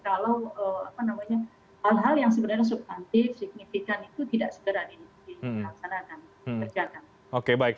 kalau hal hal yang sebenarnya subtantif signifikan itu tidak segera dilaksanakan